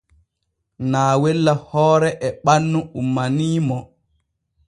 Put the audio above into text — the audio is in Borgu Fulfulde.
Naawella hoore e ɓannu ummanii mo.